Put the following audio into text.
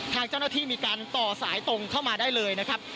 ทางเจ้าหน้าที่มีการต่อสายตรงเข้ามาได้เลยนะครับ